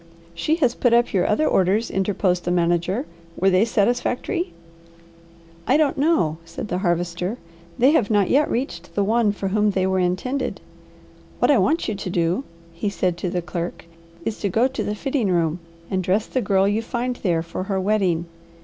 "She has put up your other orders," interposed the manager; "were they satisfactory?" "I don't know," said the Harvester. "They have not yet reached the one for whom they were intended. What I want you to do," he said to the clerk, "is to go to the fitting room and dress the girl you find there for her wedding.